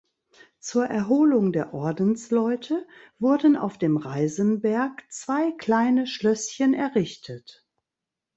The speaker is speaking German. Zur Erholung der Ordensleute wurden auf dem Reisenberg zwei kleine Schlösschen errichtet.